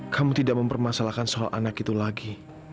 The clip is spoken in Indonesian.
kamu tidak mempermasalahkan soal anak itu lagi